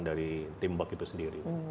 dari timbuk itu sendiri